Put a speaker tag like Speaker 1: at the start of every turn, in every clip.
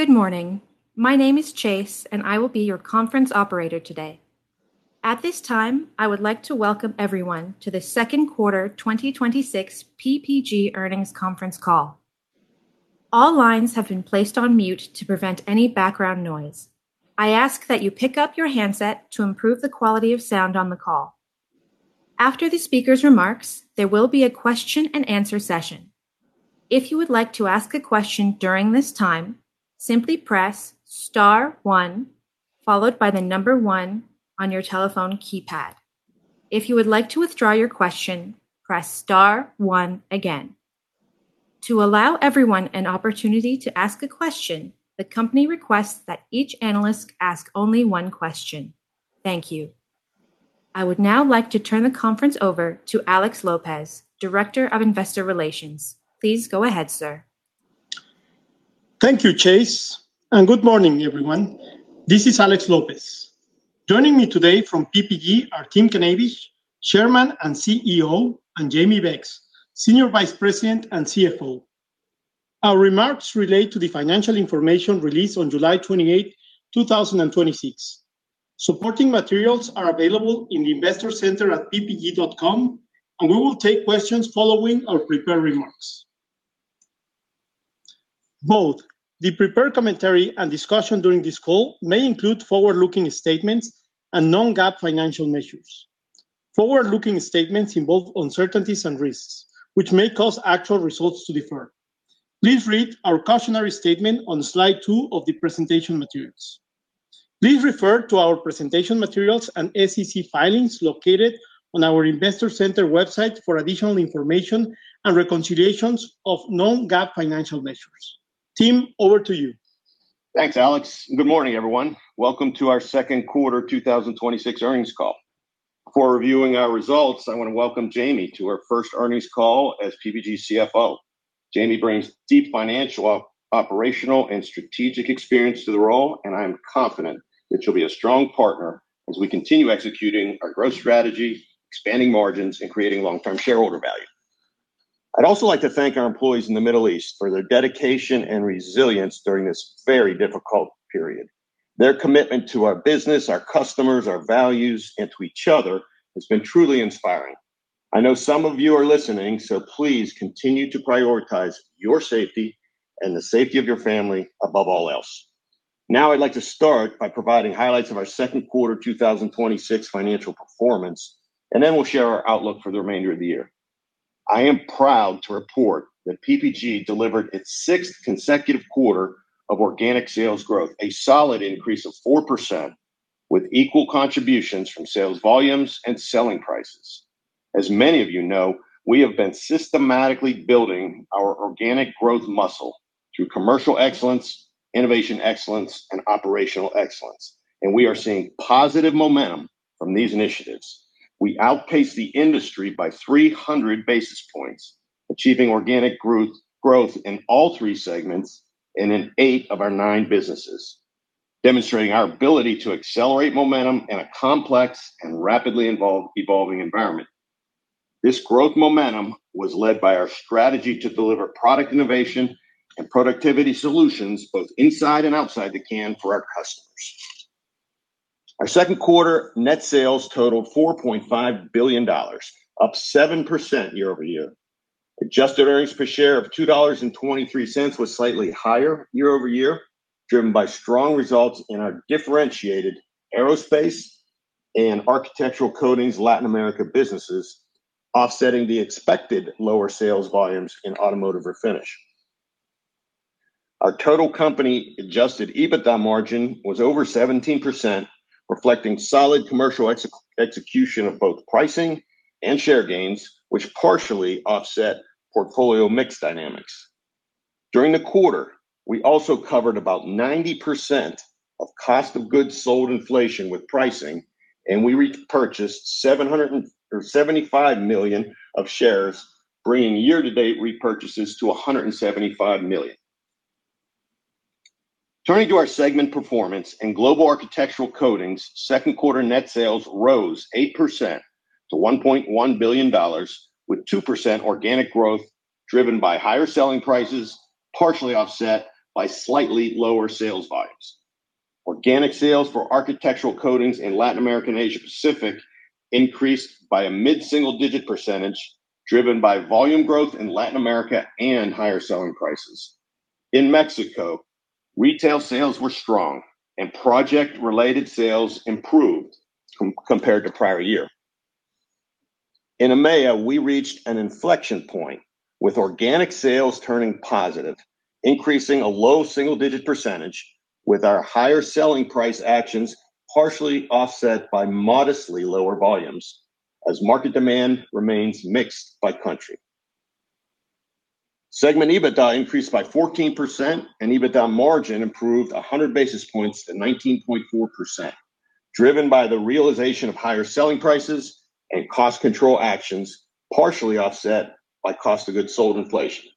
Speaker 1: Good morning. My name is Chase. I will be your conference operator today. At this time, I would like to welcome everyone to the second quarter 2026 PPG earnings conference call. All lines have been placed on mute to prevent any background noise. I ask that you pick up your handset to improve the quality of sound on the call. After the speaker's remarks, there will be a question-and-answer session. If you would like to ask a question during this time, simply press star one, followed by the number one on your telephone keypad. If you would like to withdraw your question, press star one again. To allow everyone an opportunity to ask a question, the company requests that each analyst ask only one question. Thank you. I would now like to turn the conference over to Alex Lopez, Director of Investor Relations. Please go ahead, sir.
Speaker 2: Thank you, Chase. Good morning, everyone. This is Alex Lopez. Joining me today from PPG are Tim Knavish, Chairman and CEO, and Jamie Beggs, Senior Vice President and CFO. Our remarks relate to the financial information released on July 28th, 2026. Supporting materials are available in the investor center at ppg.com, and we will take questions following our prepared remarks. Both the prepared commentary and discussion during this call may include forward-looking statements and non-GAAP financial measures. Forward-looking statements involve uncertainties and risks, which may cause actual results to differ. Please read our cautionary statement on slide two of the presentation materials. Please refer to our presentation materials and SEC filings located on our investor center website for additional information and reconciliations of non-GAAP financial measures. Tim, over to you.
Speaker 3: Thanks, Alex. Good morning, everyone. Welcome to our second quarter 2026 earnings call. Before reviewing our results, I want to welcome Jamie to her first earnings call as PPG's CFO. Jamie brings deep financial, operational, and strategic experience to the role, and I am confident that she'll be a strong partner as we continue executing our growth strategy, expanding margins, and creating long-term shareholder value. I'd also like to thank our employees in the Middle East for their dedication and resilience during this very difficult period. Their commitment to our business, our customers, our values, and to each other has been truly inspiring. I know some of you are listening, so please continue to prioritize your safety and the safety of your family above all else. Now, I'd like to start by providing highlights of our second quarter 2026 financial performance, and then we'll share our outlook for the remainder of the year. I am proud to report that PPG delivered its sixth consecutive quarter of organic sales growth, a solid increase of 4%, with equal contributions from sales volumes and selling prices. As many of you know, we have been systematically building our organic growth muscle through commercial excellence, innovation excellence, and operational excellence. We are seeing positive momentum from these initiatives. We outpaced the industry by 300 basis points, achieving organic growth in all three segments and in eight of our nine businesses, demonstrating our ability to accelerate momentum in a complex and rapidly evolving environment. This growth momentum was led by our strategy to deliver product innovation and productivity solutions both inside and outside the can for our customers. Our second quarter net sales totaled $4.5 billion, up 7% year-over-year. Adjusted EPS of $2.23 was slightly higher year-over-year, driven by strong results in our differentiated Aerospace and Architectural Coatings Latin America businesses, offsetting the expected lower sales volumes in Automotive Refinish. Our total company adjusted EBITDA margin was over 17%, reflecting solid commercial execution of both pricing and share gains, which partially offset portfolio mix dynamics. During the quarter, we also covered about 90% of cost of goods sold inflation with pricing, and we repurchased $75 million of shares, bringing year-to-date repurchases to $175 million. Turning to our segment performance, in Global Architectural Coatings, second quarter net sales rose 8% to $1.1 billion, with 2% organic growth driven by higher selling prices, partially offset by slightly lower sales volumes. Organic sales for Architectural Coatings in Latin America and Asia-Pacific increased by a mid-single digit percentage, driven by volume growth in Latin America and higher selling prices. In Mexico, retail sales were strong, and project-related sales improved compared to prior year. In EMEA, we reached an inflection point with organic sales turning positive, increasing a low single digit percentage with our higher selling price actions partially offset by modestly lower volumes as market demand remains mixed by country. Segment EBITDA increased by 14%, and EBITDA margin improved 100 basis points to 19.4%, driven by the realization of higher selling prices and cost control actions, partially offset by cost of goods sold inflation.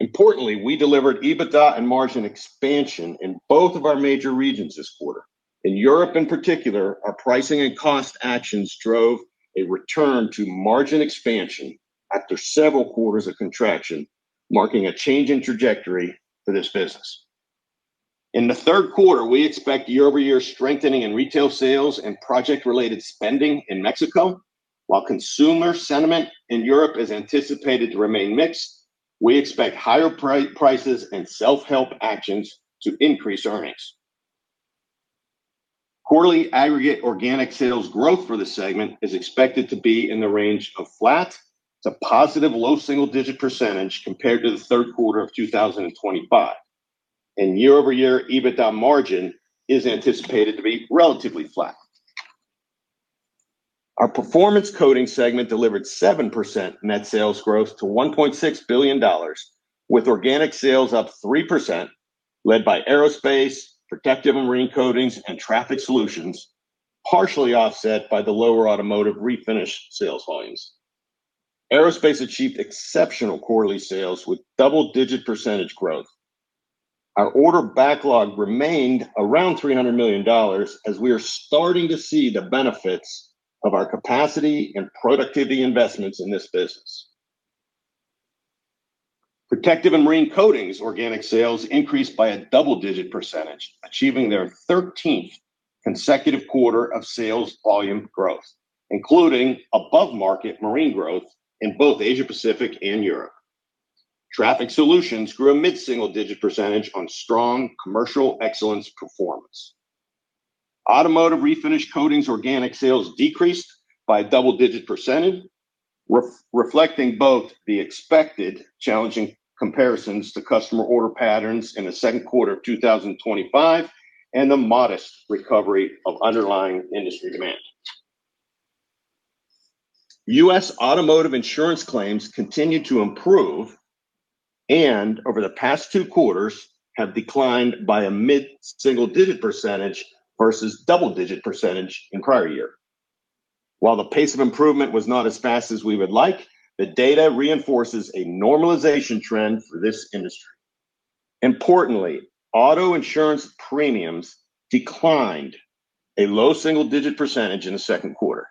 Speaker 3: Importantly, we delivered EBITDA and margin expansion in both of our major regions this quarter. In Europe, in particular, our pricing and cost actions drove a return to margin expansion after several quarters of contraction, marking a change in trajectory for this business. In the third quarter, we expect year-over-year strengthening in retail sales and project-related spending in Mexico. While consumer sentiment in Europe is anticipated to remain mixed, we expect higher prices and self-help actions to increase earnings. Quarterly aggregate organic sales growth for the segment is expected to be in the range of flat to positive low single-digit percentage compared to the third quarter of 2025, and year-over-year EBITDA margin is anticipated to be relatively flat. Our Performance Coatings segment delivered 7% net sales growth to $1.6 billion, with organic sales up 3%, led by Aerospace, Protective and Marine Coatings, and Traffic Solutions, partially offset by the lower Automotive Refinish sales volumes. Aerospace achieved exceptional quarterly sales with double-digit percentage growth. Our order backlog remained around $300 million, as we are starting to see the benefits of our capacity and productivity investments in this business. Protective and Marine Coatings organic sales increased by a double-digit percentage, achieving their 13th consecutive quarter of sales volume growth, including above-market marine growth in both Asia-Pacific and Europe. Traffic Solutions grew a mid-single digit percentage on strong commercial excellence performance. Automotive Refinish Coatings organic sales decreased by a double-digit percentage, reflecting both the expected challenging comparisons to customer order patterns in the second quarter of 2025, and the modest recovery of underlying industry demand. U.S. automotive insurance claims continue to improve, and over the past two quarters have declined by a mid-single digit percentage versus double-digit percentage in prior year. While the pace of improvement was not as fast as we would like, the data reinforces a normalization trend for this industry. Importantly, auto insurance premiums declined a low single-digit percentage in the second quarter.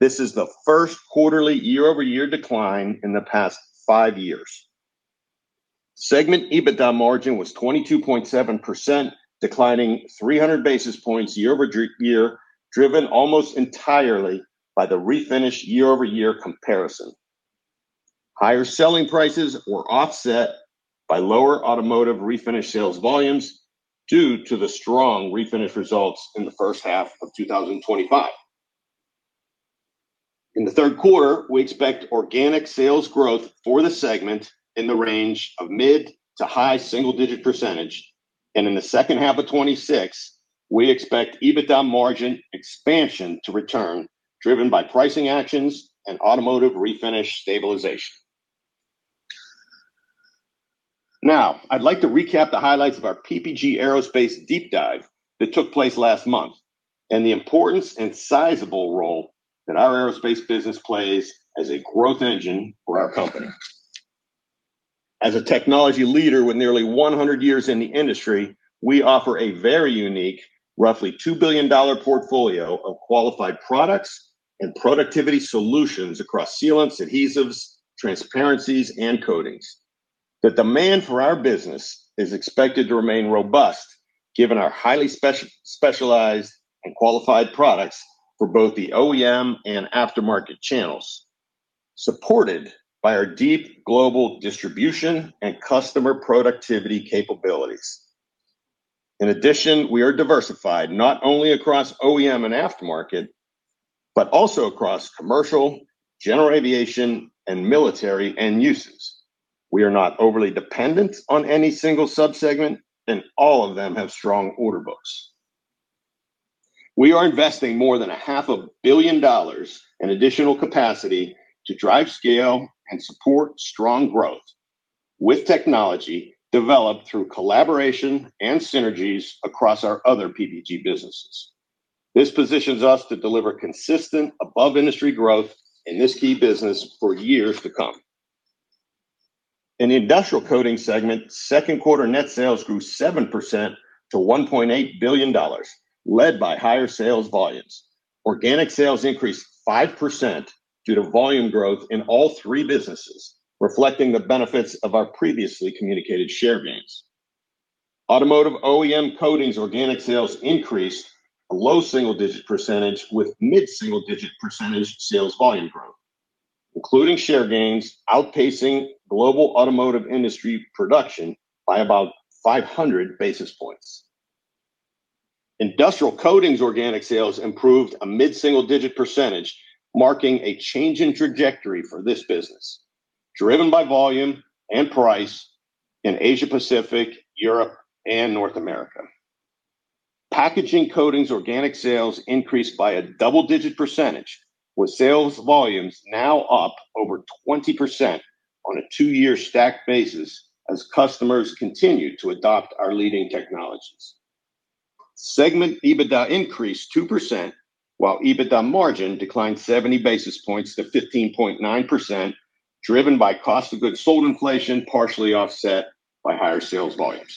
Speaker 3: This is the first quarterly year-over-year decline in the past five years. Segment EBITDA margin was 22.7%, declining 300 basis points year-over-year, driven almost entirely by the Refinish year-over-year comparison. Higher selling prices were offset by lower automotive Refinish sales volumes due to the strong Refinish results in the first half of 2025. In the third quarter, we expect organic sales growth for the segment in the range of mid to high single-digit percentage, and in the second half of 2026, we expect EBITDA margin expansion to return, driven by pricing actions and automotive Refinish stabilization. Now, I'd like to recap the highlights of our PPG Aerospace deep dive that took place last month, and the importance and sizable role that our aerospace business plays as a growth engine for our company. As a technology leader with nearly 100 years in the industry, we offer a very unique, roughly $2 billion portfolio of qualified products and productivity solutions across sealants, adhesives, transparencies, and coatings. The demand for our business is expected to remain robust given our highly specialized and qualified products for both the OEM and aftermarket channels, supported by our deep global distribution and customer productivity capabilities. In addition, we are diversified not only across OEM and aftermarket, but also across commercial, general aviation, and military end uses. We are not overly dependent on any single sub-segment, and all of them have strong order books. We are investing more than $500 million in additional capacity to drive scale and support strong growth with technology developed through collaboration and synergies across our other PPG businesses. This positions us to deliver consistent above-industry growth in this key business for years to come. In the Industrial Coatings segment, second quarter net sales grew 7% to $1.8 billion, led by higher sales volumes. Organic sales increased 5% due to volume growth in all three businesses, reflecting the benefits of our previously communicated share gains. Automotive OEM Coatings organic sales increased a low single-digit percentage with mid-single-digit percentage sales volume growth, including share gains outpacing global automotive industry production by about 500 basis points. Industrial Coatings organic sales improved a mid-single-digit percentage, marking a change in trajectory for this business, driven by volume and price in Asia-Pacific, Europe, and North America. Packaging Coatings organic sales increased by a double-digit percentage, with sales volumes now up over 20% on a two-year stacked basis as customers continue to adopt our leading technologies. Segment EBITDA increased 2%, while EBITDA margin declined 70 basis points to 15.9%, driven by cost of goods sold inflation partially offset by higher sales volumes.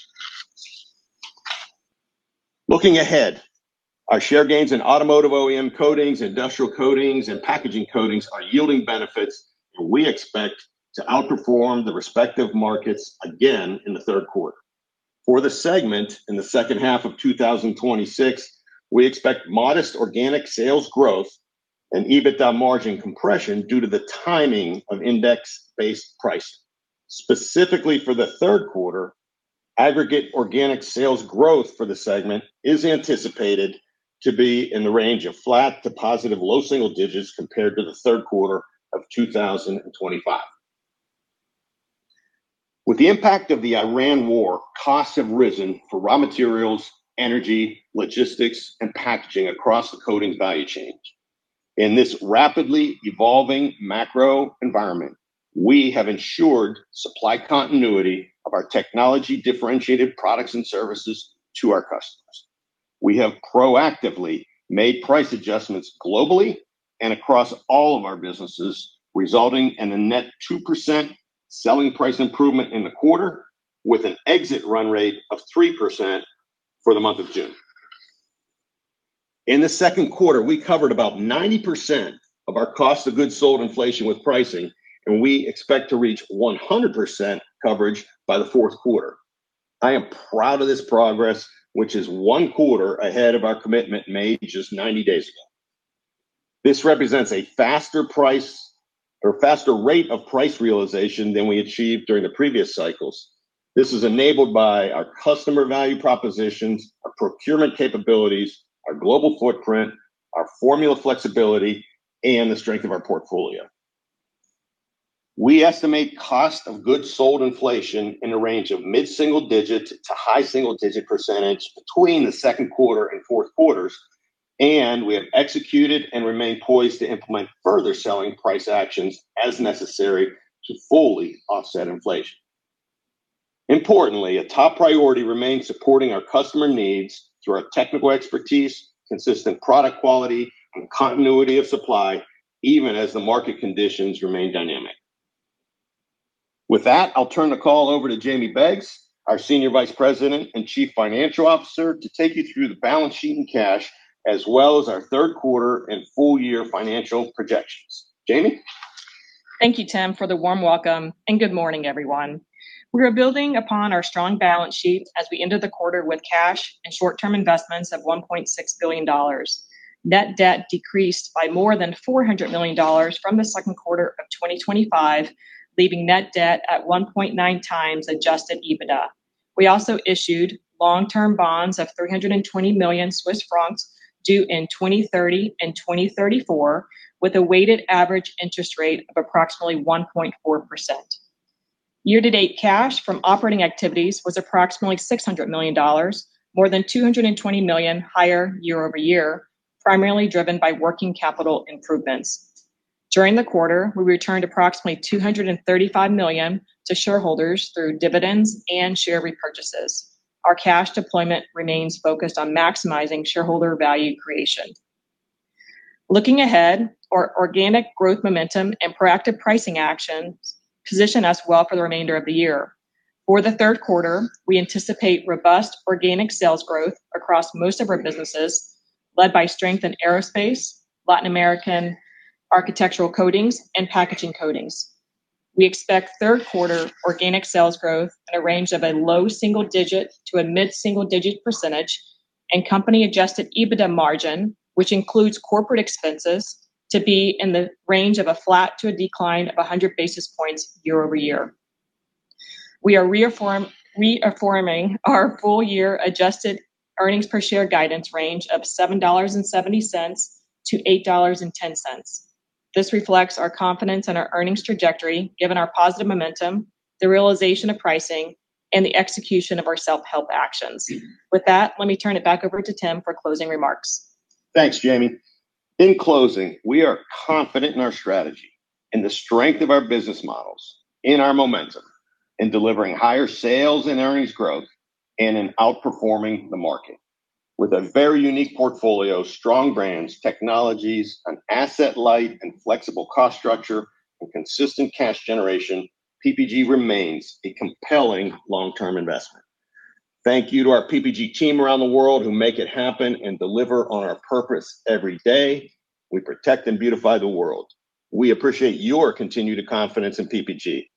Speaker 3: Looking ahead, our share gains in Automotive OEM Coatings, Industrial Coatings, and Packaging Coatings are yielding benefits, and we expect to outperform the respective markets again in the third quarter. For the segment in the second half of 2026, we expect modest organic sales growth and EBITDA margin compression due to the timing of index-based pricing. Specifically for the third quarter, aggregate organic sales growth for the segment is anticipated to be in the range of flat to positive low single digits compared to the third quarter of 2025. With the impact of the Iran War, costs have risen for raw materials, energy, logistics, and packaging across the coatings value chain. In this rapidly evolving macro environment, we have ensured supply continuity of our technology differentiated products and services to our customers. We have proactively made price adjustments globally and across all of our businesses, resulting in a net 2% selling price improvement in the quarter, with an exit run rate of 3% for the month of June. In the second quarter, we covered about 90% of our cost of goods sold inflation with pricing, and we expect to reach 100% coverage by the fourth quarter. I am proud of this progress, which is one quarter ahead of our commitment made just 90 days ago. This represents a faster rate of price realization than we achieved during the previous cycles. This is enabled by our customer value propositions, our procurement capabilities, our global footprint, our formula flexibility, and the strength of our portfolio. We estimate cost of goods sold inflation in a range of mid-single digits to high single digit percentage between the second quarter and fourth quarters, and we have executed and remain poised to implement further selling price actions as necessary to fully offset inflation. A top priority remains supporting our customer needs through our technical expertise, consistent product quality, and continuity of supply, even as the market conditions remain dynamic. With that, I'll turn the call over to Jamie Beggs, our Senior Vice President and Chief Financial Officer, to take you through the balance sheet and cash, as well as our third quarter and full year financial projections. Jamie?
Speaker 4: Thank you, Tim, for the warm welcome, good morning, everyone. We are building upon our strong balance sheet as we ended the quarter with cash and short-term investments of $1.6 billion. Net debt decreased by more than $400 million from the second quarter of 2025, leaving net debt at 1.9x adjusted EBITDA. We also issued long-term bonds of 320 million Swiss francs due in 2030 and 2034, with a weighted average interest rate of approximately 1.4%. Year-to-date cash from operating activities was approximately $600 million, more than $220 million higher year-over-year, primarily driven by working capital improvements. During the quarter, we returned approximately $235 million to shareholders through dividends and share repurchases. Our cash deployment remains focused on maximizing shareholder value creation. Looking ahead, our organic growth momentum and proactive pricing actions position us well for the remainder of the year. For the third quarter, we anticipate robust organic sales growth across most of our businesses, led by strength in Aerospace, Latin American Architectural Coatings, and Packaging Coatings. We expect third quarter organic sales growth at a range of a low single digit to a mid-single digit percentage, and company-adjusted EBITDA margin, which includes corporate expenses, to be in the range of a flat to a decline of 100 basis points year-over-year. We are reaffirming our full year adjusted earnings per share guidance range of $7.70-$8.10. This reflects our confidence in our earnings trajectory, given our positive momentum, the realization of pricing, and the execution of our self-help actions. With that, let me turn it back over to Tim for closing remarks.
Speaker 3: Thanks, Jamie. In closing, we are confident in our strategy, in the strength of our business models, in our momentum, in delivering higher sales and earnings growth, and in outperforming the market. With a very unique portfolio, strong brands, technologies, an asset-light and flexible cost structure, and consistent cash generation, PPG remains a compelling long-term investment. Thank you to our PPG team around the world who make it happen and deliver on our purpose every day. We protect and beautify the world. We appreciate your continued confidence in PPG.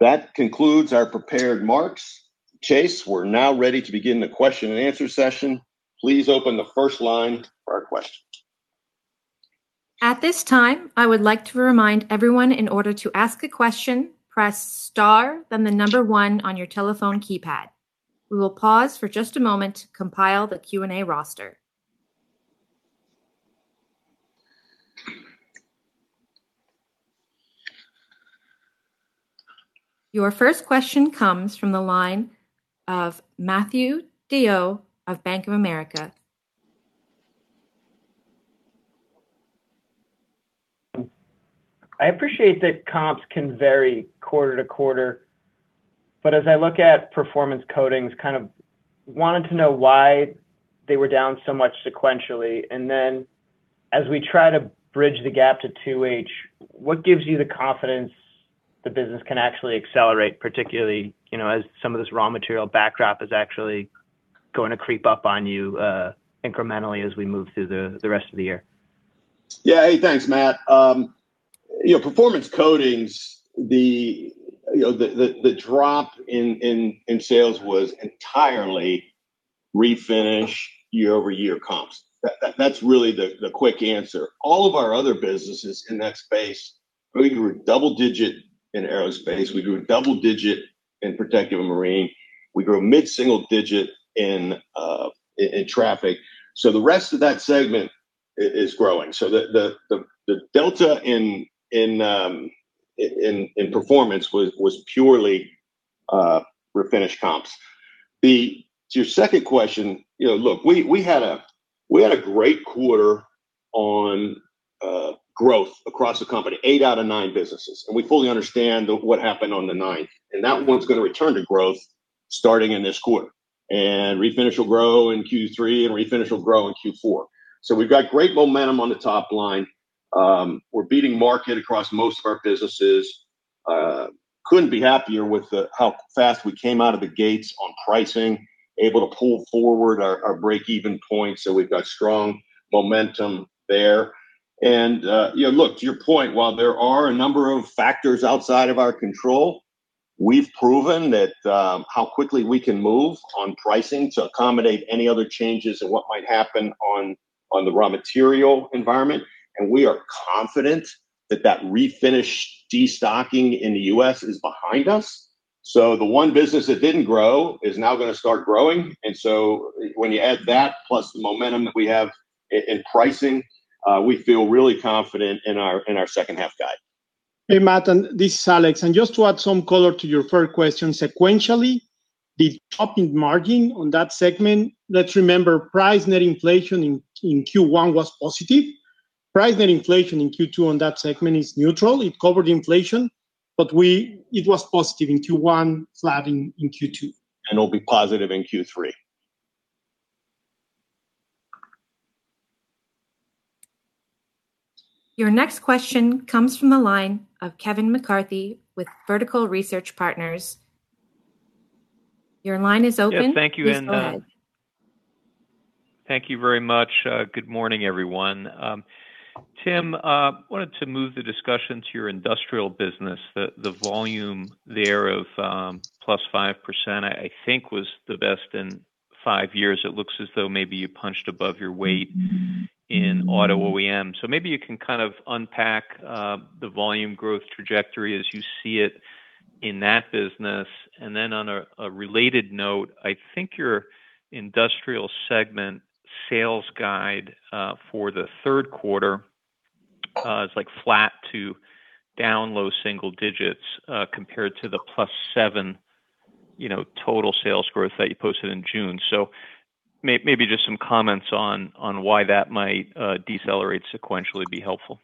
Speaker 3: That concludes our prepared remarks. Chase, we are now ready to begin the question-and-answer session. Please open the first line for our questions.
Speaker 1: At this time, I would like to remind everyone in order to ask a question, press star, then the number one on your telephone keypad. We will pause for just a moment to compile the Q&A roster. Your first question comes from the line of Matthew DeYoe of Bank of America.
Speaker 5: I appreciate that comps can vary quarter-to-quarter, as I look at Performance Coatings, kind of wanted to know why they were down so much sequentially. Then as we try to bridge the gap to 2H, what gives you the confidence the business can actually accelerate, particularly as some of this raw material backdrop is actually going to creep up on you incrementally as we move through the rest of the year.
Speaker 3: Yeah. Hey, thanks, Matt. Performance Coatings, the drop in sales was entirely Refinish year-over-year comps. That's really the quick answer. All of our other businesses in that space, we grew double-digit in Aerospace, we grew double-digit in Protective and Marine. We grew mid-single-digit in Traffic. The rest of that segment is growing. The delta in performance was purely Refinish comps. To your second question, look, we had a great quarter on growth across the company, eight out of nine businesses, and we fully understand what happened on the ninth. That one's going to return to growth starting in this quarter. Refinish will grow in Q3, and Refinish will grow in Q4. We've got great momentum on the top line. We're beating market across most of our businesses. Couldn't be happier with how fast we came out of the gates on pricing, able to pull forward our break-even point. We've got strong momentum there. Look, to your point, while there are a number of factors outside of our control, we've proven that how quickly we can move on pricing to accommodate any other changes in what might happen on the raw material environment. We are confident that that Refinish de-stocking in the U.S. is behind us. The one business that didn't grow is now going to start growing. When you add that plus the momentum that we have in pricing, we feel really confident in our second half guide.
Speaker 2: Hey, Matt, this is Alex. Just to add some color to your third question, sequentially, the drop in margin on that segment, let's remember price net inflation in Q1 was positive. Price net inflation in Q2 on that segment is neutral. It covered inflation, but it was positive in Q1, flat in Q2.
Speaker 3: It'll be positive in Q3.
Speaker 1: Your next question comes from the line of Kevin McCarthy with Vertical Research Partners. Your line is open.
Speaker 6: Yes, thank you and-
Speaker 1: Please go ahead.
Speaker 6: Thank you very much. Good morning, everyone. Tim, wanted to move the discussion to your Industrial Coatings business. The volume there of +5%, I think, was the best in five years. It looks as though maybe you punched above your weight in Auto OEM. Maybe you can kind of unpack the volume growth trajectory as you see it in that business. On a related note, I think your Industrial segment sales guide for the third quarter is flat to down low single digits compared to the +7% total sales growth that you posted in June. Maybe just some comments on why that might decelerate sequentially would be helpful.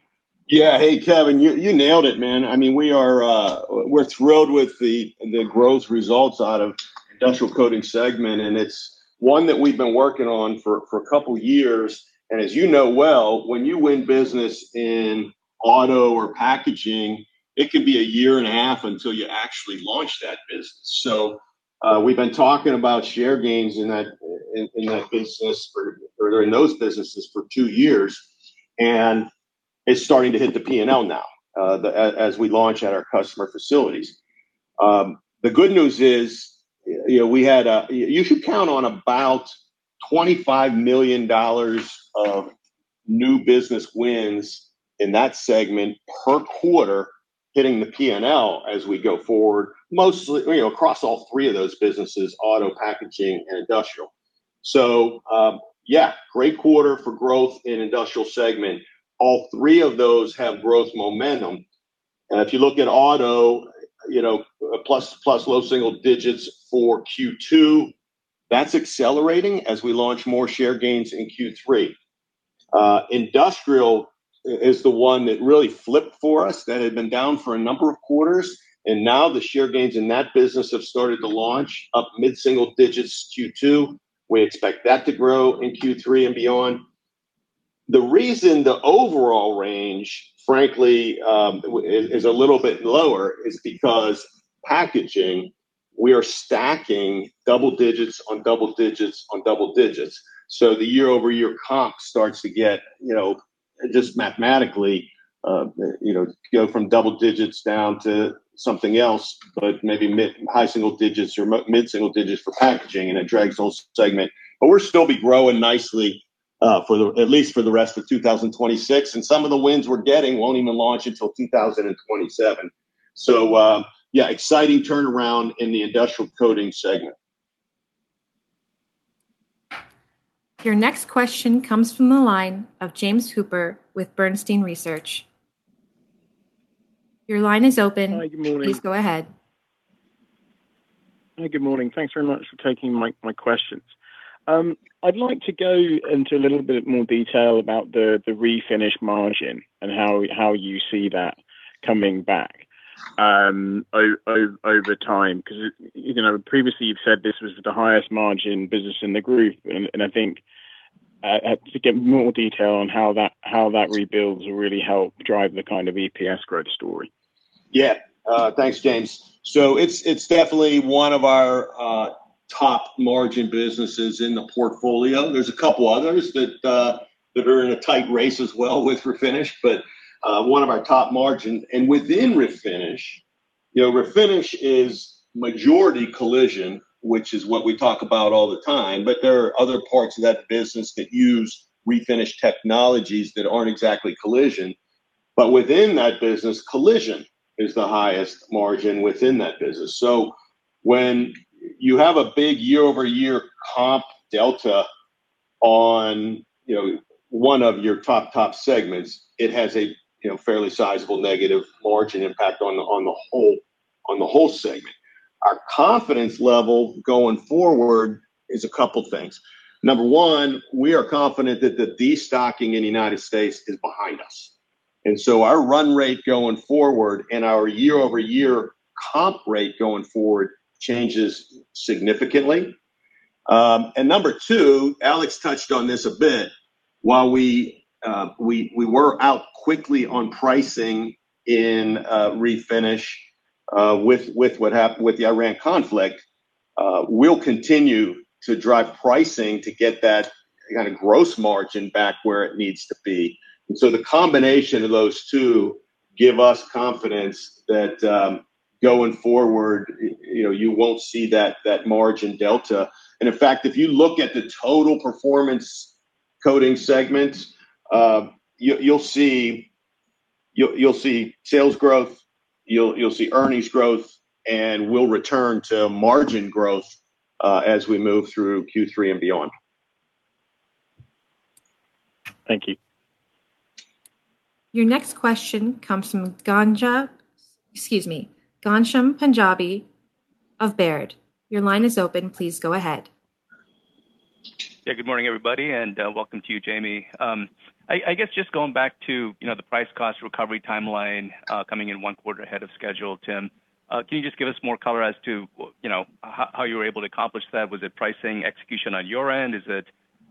Speaker 3: Kevin, you nailed it, man. We're thrilled with the growth results out of Industrial Coatings segment, it's one that we've been working on for a couple of years. As you know well, when you win business in auto or packaging, it could be a year and a half until you actually launch that business. We've been talking about share gains in those businesses for two years, and it's starting to hit the P&L now as we launch at our customer facilities. The good news is you should count on about $25 million of new business wins in that segment per quarter hitting the P&L as we go forward, across all three of those businesses, Auto, Packaging, and Industrial. Great quarter for growth in Industrial segment. All three of those have growth momentum. If you look at Auto, plus low single digits for Q2, that's accelerating as we launch more share gains in Q3. Industrial is the one that really flipped for us, that had been down for a number of quarters. Now the share gains in that business have started to launch up mid-single digits Q2. We expect that to grow in Q3 and beyond. The reason the overall range, frankly, is a little bit lower is because Packaging, we are stacking double digits on double digits on double digits. The year-over-year comp starts to, just mathematically, go from double digits down to something else, maybe high single digits or mid-single digits for Packaging. It drags the whole segment. We'll still be growing nicely, at least for the rest of 2026. Some of the wins we're getting won't even launch until 2027. Yeah, exciting turnaround in the Industrial Coatings segment.
Speaker 1: Your next question comes from the line of James Hooper with Bernstein Research. Your line is open.
Speaker 7: Hi, good morning.
Speaker 1: Please go ahead.
Speaker 7: Hi, good morning. Thanks very much for taking my questions. I would like to go into a little bit more detail about the Refinish margin and how you see that coming back, I -- overtime, because you know the previously you've said this was the highest margin business in the group, I had to get more detail on how that rebuilds really help drive the kind of EPS growth story.
Speaker 3: Yeah. Thanks, James. It's definitely one of our top margin businesses in the portfolio. There's a couple others that are in a tight race as well with Refinish, one of our top margins. Within Refinish is majority collision, which is what we talk about all the time. There are other parts of that business that use Refinish technologies that aren't exactly collision. Within that business, collision is the highest margin within that business. When you have a big year-over-year comp delta on one of your top segments, it has a fairly sizable negative margin impact on the whole segment. Our confidence level going forward is a couple things. Number one, we are confident that the destocking in the United States is behind us, Our run rate going forward and our year-over-year comp rate going forward changes significantly. Number two, Alex touched on this a bit. While we were out quickly on pricing in Refinish with the Iran conflict, we'll continue to drive pricing to get that kind of gross margin back where it needs to be. The combination of those two give us confidence that going forward, you won't see that margin delta. In fact, if you look at the total Performance Coatings segments, you'll see sales growth, you'll see earnings growth, we'll return to margin growth as we move through Q3 and beyond.
Speaker 7: Thank you.
Speaker 1: Your next question comes from Ghansham Panjabi of Baird. Your line is open. Please go ahead.
Speaker 8: Yeah, good morning, everybody, and welcome to you, Jamie. I guess just going back to the price cost recovery timeline coming in one quarter ahead of schedule, Tim. Can you just give us more color as to how you were able to accomplish that? Was it pricing execution on your end? Is it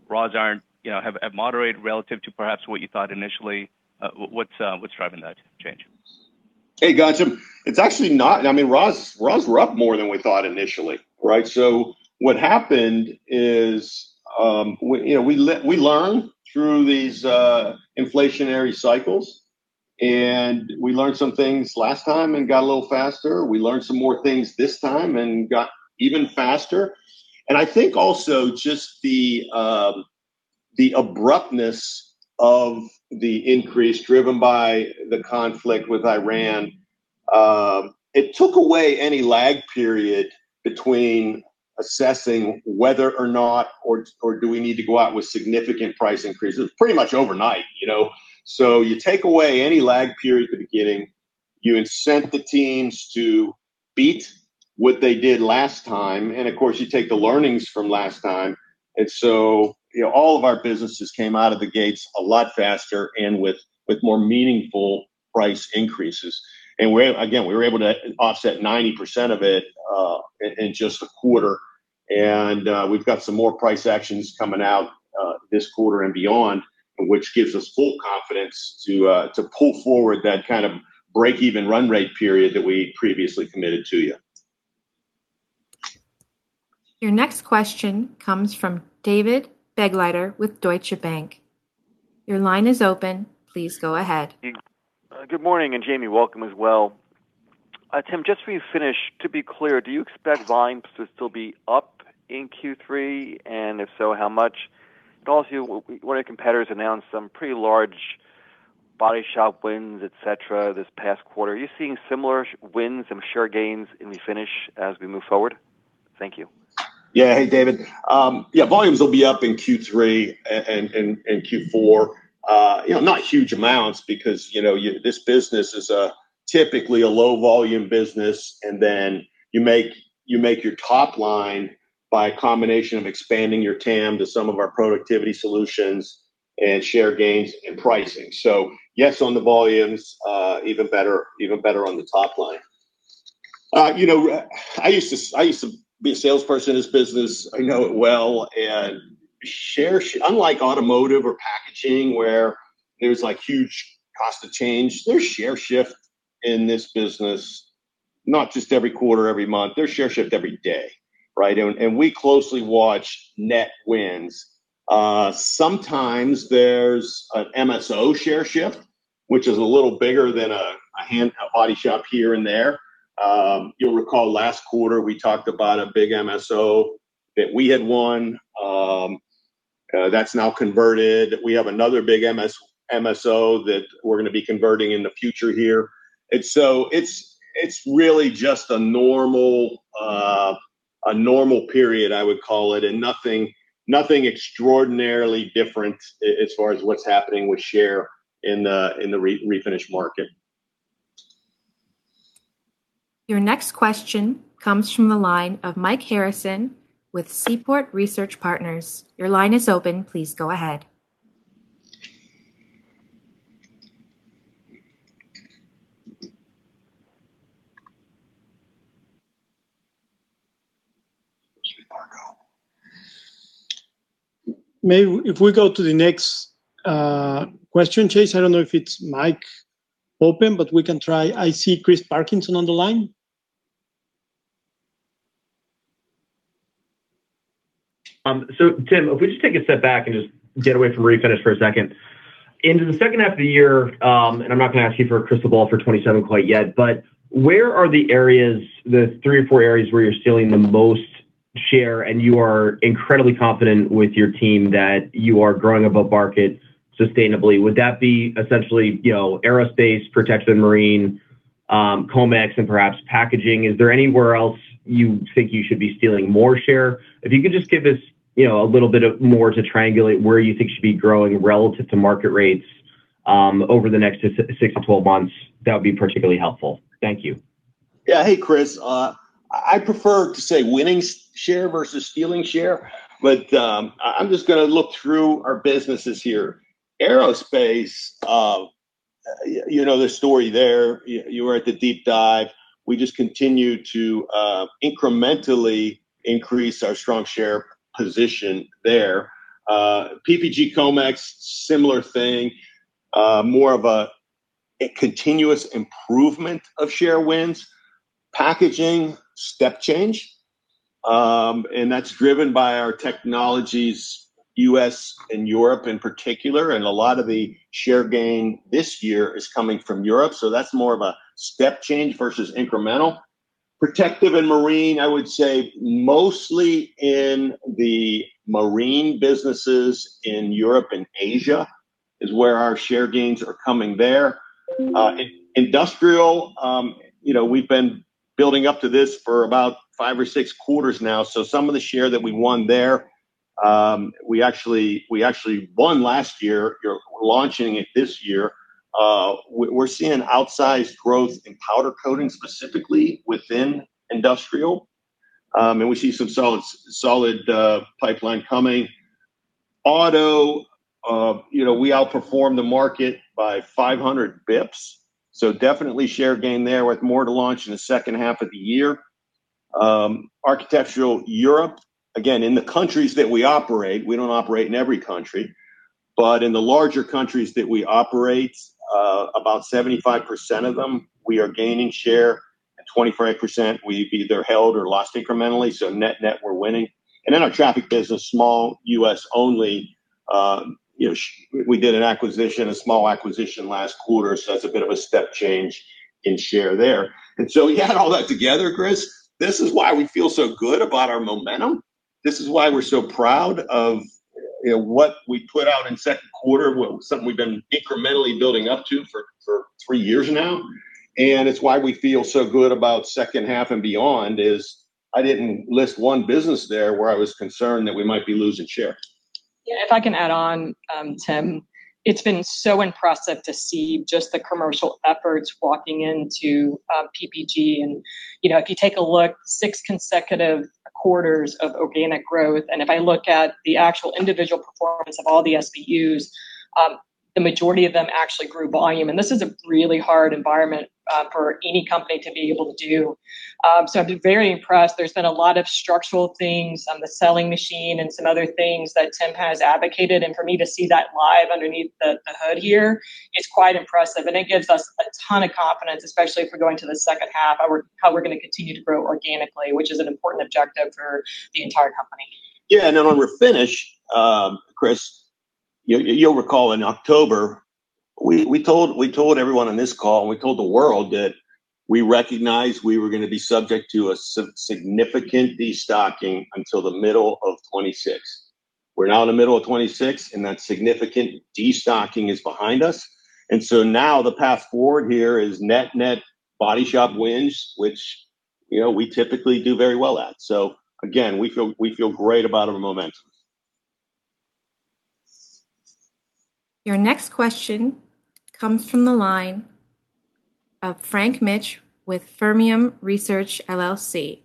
Speaker 8: raws have moderated relative to perhaps what you thought initially? What's driving that change?
Speaker 3: Hey, Ghansham. Raws were up more than we thought initially. Right? What happened is we learn through these inflationary cycles, we learned some things last time and got a little faster. We learned some more things this time and got even faster. I think also just the abruptness of the increase driven by the conflict with Iran, it took away any lag period between assessing whether or not, or do we need to go out with significant price increases? Pretty much overnight. You take away any lag period at the beginning, you incent the teams to beat what they did last time, of course, you take the learnings from last time. All of our businesses came out of the gates a lot faster and with more meaningful price increases. Again, we were able to offset 90% of it in just a quarter. We've got some more price actions coming out this quarter and beyond, which gives us full confidence to pull forward that kind of break-even run rate period that we previously committed to you.
Speaker 1: Your next question comes from David Begleiter with Deutsche Bank. Your line is open. Please go ahead.
Speaker 9: Good morning, Jamie, welcome as well. Tim, just so we finish, to be clear, do you expect volumes to still be up in Q3? If so, how much? Also, one of your competitors announced some pretty large body shop wins, etc, this past quarter. Are you seeing similar wins and share gains in the Refinish as we move forward? Thank you.
Speaker 3: Hey, David. Volumes will be up in Q3 and Q4. Not huge amounts because this business is typically a low-volume business, then you make your top line by a combination of expanding your TAM to some of our productivity solutions and share gains and pricing. Yes, on the volumes, even better on the top line. I used to be a salesperson in this business. I know it well. Unlike Automotive or Packaging where there's huge cost to change, there's share shift in this business, not just every quarter, every month. There's share shift every day, right? We closely watch net wins. Sometimes there's an MSO share shift, which is a little bigger than a body shop here and there. You'll recall last quarter we talked about a big MSO that we had won that's now converted. We have another big MSO that we're going to be converting in the future here. It's really just a normal period, I would call it, and nothing extraordinarily different as far as what's happening with share in the Refinish market.
Speaker 1: Your next question comes from the line of Mike Harrison with Seaport Research Partners. Your line is open. Please go ahead.
Speaker 3: [inaudible]
Speaker 2: Maybe if we go to the next question, Chase. I don't know if it's mic open, but we can try. I see Chris Parkinson on the line.
Speaker 10: Tim, if we just take a step back and just get away from Refinish for a second. Into the second half of the year, and I'm not going to ask you for a crystal ball for 2027 quite yet, but where are the three or four areas where you're stealing the most share, and you are incredibly confident with your team that you are growing above market sustainably? Would that be essentially, Aerospace, Protective and Marine, Comex, and perhaps Packaging? Is there anywhere else you think you should be stealing more share? If you could just give us a little bit more to triangulate where you think you should be growing relative to market rates, over the next 6-12 months, that would be particularly helpful. Thank you.
Speaker 3: Yeah. Hey, Chris. I prefer to say winning share versus stealing share, but, I'm just going to look through our businesses here. Aerospace, you know the story there. You were at the deep dive. We just continue to incrementally increase our strong share position there. PPG Comex, similar thing, more of a continuous improvement of share wins. Packaging, step change, and that's driven by our technologies, U.S. and Europe in particular, and a lot of the share gain this year is coming from Europe. That's more of a step change versus incremental. Protective and Marine, I would say mostly in the marine businesses in Europe and Asia is where our share gains are coming there. Industrial, we've been building up to this for about five or six quarters now, so some of the share that we won there, we actually won last year. We're launching it this year. We're seeing outsized growth in powder coating, specifically within Industrial. We see some solid pipeline coming. Auto, we outperformed the market by 500 basis points, so definitely share gain there with more to launch in the second half of the year. Architectural Europe, again, in the countries that we operate, we don't operate in every country, but in the larger countries that we operate, about 75% of them, we are gaining share, and 25% we've either held or lost incrementally, so net net, we're winning. Our Traffic business, small U.S. only. We did an acquisition, a small acquisition last quarter, so that's a bit of a step change in share there. You add all that together, Chris, this is why we feel so good about our momentum. This is why we're so proud of what we put out in second quarter, something we've been incrementally building up to for three years now. It's why we feel so good about second half and beyond is I didn't list one business there where I was concerned that we might be losing share.
Speaker 4: Yeah, if I can add on, Tim. It's been so impressive to see just the commercial efforts walking into PPG, if you take a look, six consecutive quarters of organic growth. If I look at the actual individual performance of all the SBUs, the majority of them actually grew volume, this is a really hard environment for any company to be able to do. I've been very impressed. There's been a lot of structural things on the selling machine and some other things that Tim has advocated. For me to see that live underneath the hood here is quite impressive. It gives us a ton of confidence, especially if we're going to the second half, how we're going to continue to grow organically, which is an important objective for the entire company.
Speaker 3: Yeah, on Refinish, Chris, you'll recall in October, we told everyone on this call, we told the world that we recognized we were going to be subject to a significant destocking until the middle of 2026. We're now in the middle of 2026. That significant destocking is behind us. Now the path forward here is net net body shop wins, which we typically do very well at. Again, we feel great about our momentum.
Speaker 1: Your next question comes from the line of Frank Mitsch with Fermium Research, LLC.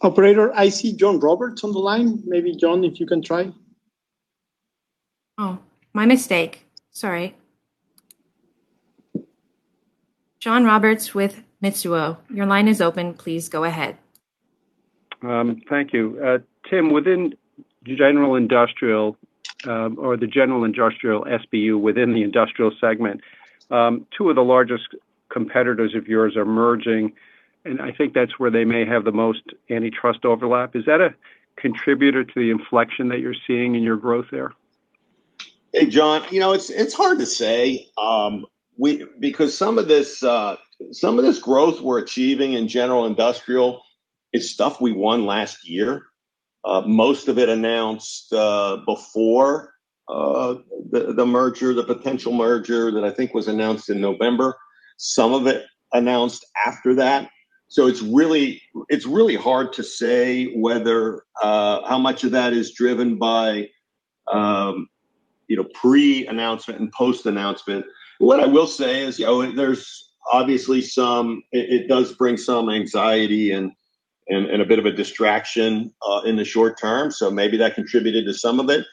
Speaker 2: Operator, I see John Roberts on the line. Maybe John, if you can try.
Speaker 1: Oh, my mistake. Sorry. John Roberts with Mizuho. Your line is open. Please go ahead.
Speaker 11: Thank you. Tim, within general industrial, or the general industrial SBU within the Industrial segment, two of the largest competitors of yours are merging, and I think that's where they may have the most antitrust overlap. Is that a contributor to the inflection that you're seeing in your growth there?
Speaker 3: Hey, John. It's hard to say, because some of this growth we're achieving in general industrial is stuff we won last year. Most of it announced before the potential merger that I think was announced in November. Some of it announced after that. It's really hard to say how much of that is driven by pre-announcement and post-announcement. What I will say is, there's obviously some anxiety and a bit of a distraction, in the short term. Maybe that contributed to some of it.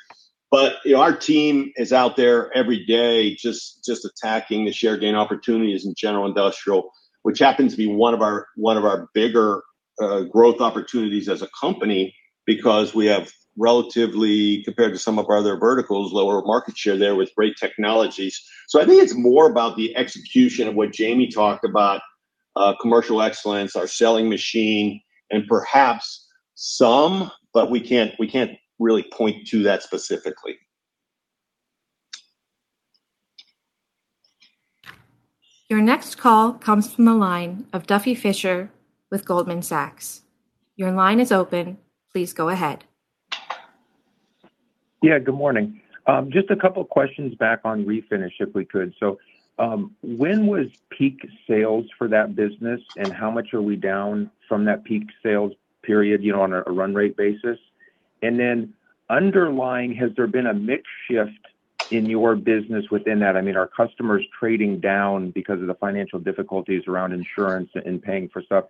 Speaker 3: Our team is out there every day just attacking the share gain opportunities in general industrial, which happens to be one of our bigger growth opportunities as a company because we have relatively, compared to some of our other verticals, lower market share there with great technologies. I think it's more about the execution of what Jamie talked about, commercial excellence, our selling machine, and perhaps some, but we can't really point to that specifically.
Speaker 1: Your next call comes from the line of Duffy Fischer with Goldman Sachs. Your line is open. Please go ahead.
Speaker 12: Good morning. Just a couple of questions back on Refinish, if we could. When was peak sales for that business, and how much are we down from that peak sales period on a run rate basis? Underlying, has there been a mix shift in your business within that? Are customers trading down because of the financial difficulties around insurance and paying for stuff?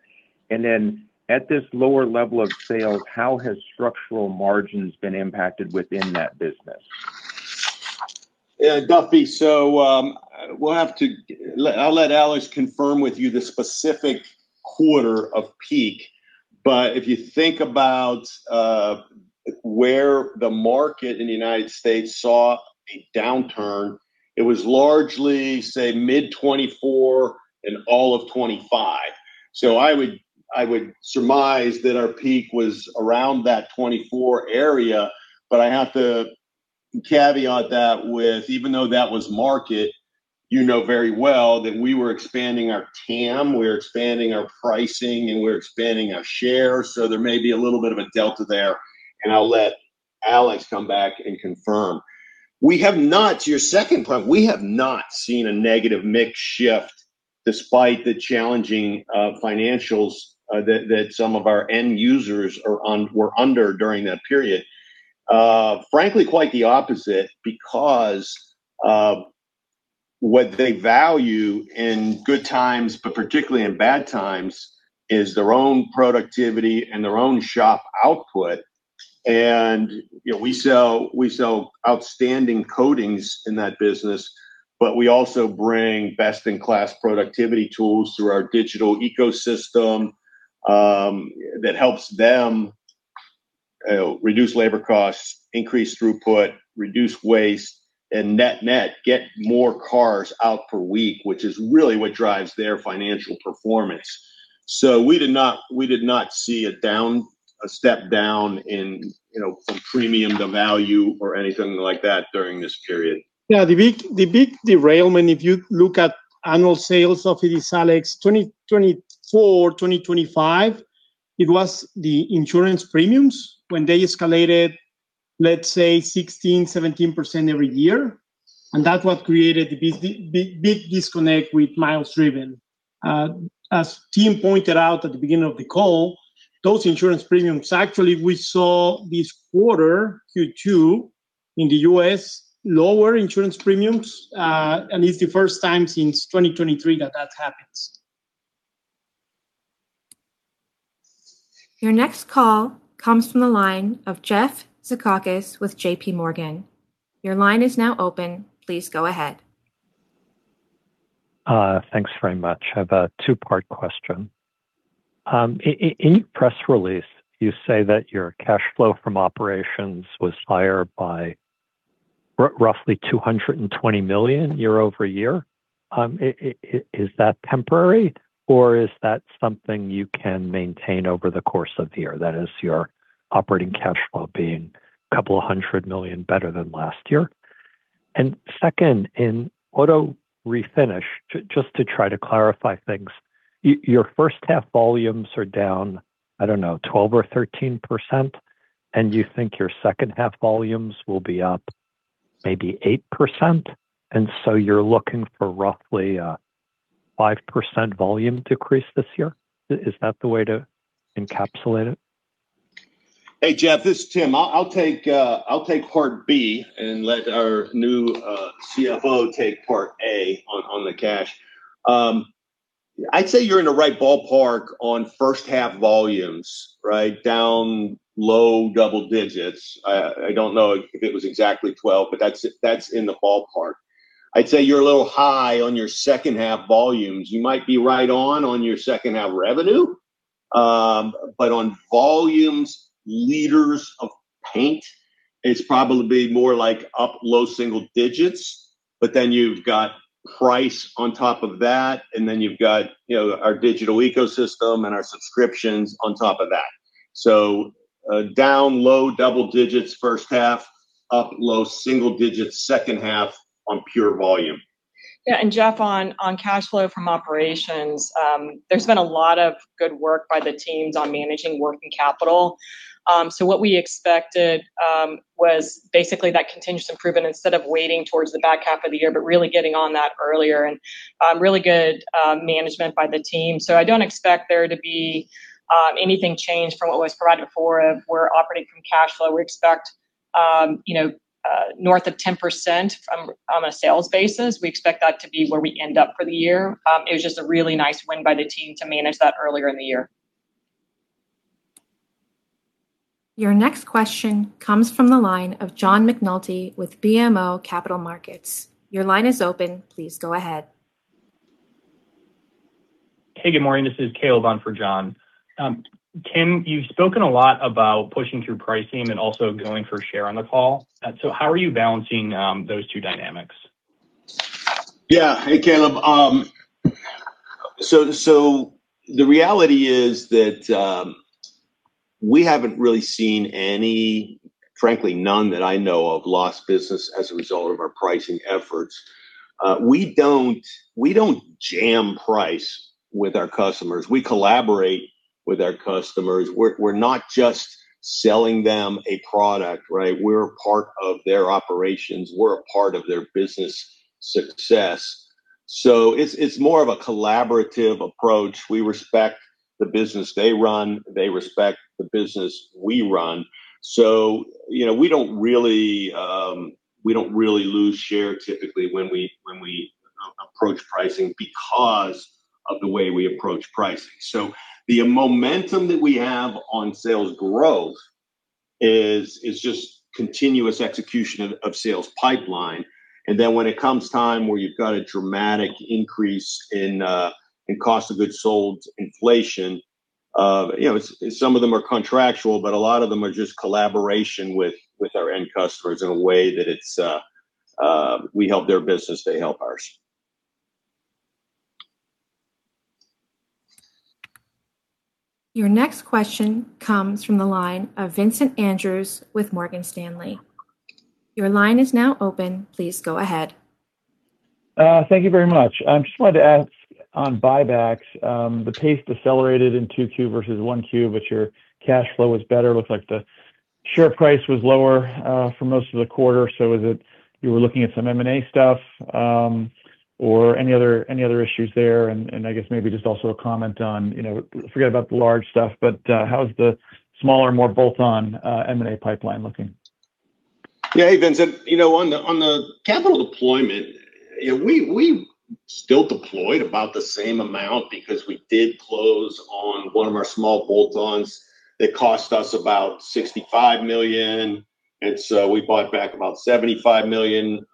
Speaker 12: At this lower level of sales, how has structural margins been impacted within that business?
Speaker 3: Duffy, I'll let Alex confirm with you the specific quarter of peak. If you think about where the market in the United States saw a downturn, it was largely, say, mid-2024 and all of 2025. I would surmise that our peak was around that 2024 area. I have to caveat that with, even though that was market, you know very well that we were expanding our TAM, we were expanding our pricing, and we were expanding our share. There may be a little bit of a delta there, and I'll let Alex come back and confirm. To your second point, we have not seen a negative mix shift despite the challenging financials that some of our end users were under during that period. Frankly, quite the opposite, because what they value in good times, but particularly in bad times, is their own productivity and their own shop output. We sell outstanding coatings in that business, but we also bring best-in-class productivity tools through our digital ecosystem, that helps them reduce labor costs, increase throughput, reduce waste, and net get more cars out per week, which is really what drives their financial performance. We did not see a step down from premium to value or anything like that during this period.
Speaker 2: The big derailment, if you look at annual sales of it, this is Alex, 2024-2025, it was the insurance premiums when they escalated, let's say, 16%-17% every year. That's what created the big disconnect with miles driven. As Tim pointed out at the beginning of the call, those insurance premiums, actually, we saw this quarter, Q2, in the U.S., lower insurance premiums, and it's the first time since 2023 that that happens.
Speaker 1: Your next call comes from the line of Jeff Zekauskas with JPMorgan. Your line is now open. Please go ahead.
Speaker 13: Thanks very much. I have a two-part question. In your press release, you say that your cash flow from operations was higher by roughly $220 million year-over-year. Is that temporary, or is that something you can maintain over the course of the year? That is, your operating cash flow being a couple of $100 million better than last year. Second, in auto refinish, just to try to clarify things, your first half volumes are down, I don't know, 12% or 13%, and you think your second half volumes will be up maybe 8%, so you're looking for roughly a 5% volume decrease this year. Is that the way to encapsulate it?
Speaker 3: Hey, Jeff, this is Tim. I'll take part B and let our new CFO take part A on the cash. I'd say you're in the right ballpark on first half volumes, right? Down low double digits. I don't know if it was exactly 12%, but that's in the ballpark. I'd say you're a little high on your second half volumes. You might be right on your second half revenue, but on volumes, liters of paint, it's probably more like up low single digits, you've got price on top of that, you've got our digital ecosystem and our subscriptions on top of that. Down low double digits first half, up low single digits second half on pure volume.
Speaker 4: Yeah, Jeff, on cash flow from operations, there's been a lot of good work by the teams on managing working capital. What we expected was basically that continuous improvement instead of waiting towards the back half of the year, really getting on that earlier and really good management by the team. I don't expect there to be anything changed from what was provided for. If we're operating from cash flow, we expect north of 10% on a sales basis. We expect that to be where we end up for the year. It was just a really nice win by the team to manage that earlier in the year.
Speaker 1: Your next question comes from the line of John McNulty with BMO Capital Markets. Your line is open. Please go ahead.
Speaker 14: Hey, good morning. This is Caleb on for John. Tim, you've spoken a lot about pushing through pricing and also going for share on the call. How are you balancing those two dynamics?
Speaker 3: Yeah. Hey, Caleb. The reality is that we haven't really seen any, frankly, none that I know of, lost business as a result of our pricing efforts. We don't jam price with our customers. We collaborate with our customers. We're not just selling them a product, right? We're a part of their operations. We're a part of their business success. It's more of a collaborative approach. We respect the business they run, they respect the business we run. We don't really lose share typically when we approach pricing because of the way we approach pricing. The momentum that we have on sales growth is just continuous execution of sales pipeline. When it comes time where you've got a dramatic increase in cost of goods sold inflation, some of them are contractual, a lot of them are just collaboration with our end customers in a way that we help their business, they help ours.
Speaker 1: Your next question comes from the line of Vincent Andrews with Morgan Stanley. Your line is now open. Please go ahead.
Speaker 15: Thank you very much. I just wanted to ask on buybacks, the pace decelerated in Q2 versus Q1, but your cash flow was better. It looks like the share price was lower for most of the quarter. Is it you were looking at some M&A stuff, or any other issues there? I guess maybe just also a comment on, forget about the large stuff, but how's the smaller, more bolt-on M&A pipeline looking?
Speaker 3: Hey, Vincent. On the capital deployment, we still deployed about the same amount because we did close on one of our small bolt-ons that cost us about $65 million. We bought back about $75 million.